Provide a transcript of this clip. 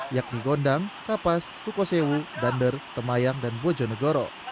yakni gondang kapas sukosewu dander temayang dan bojonegoro